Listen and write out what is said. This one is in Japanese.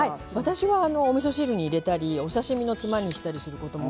私はおみそ汁に入れたりお刺身のつまにしていることが